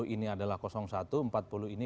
enam puluh ini adalah satu empat puluh ini dua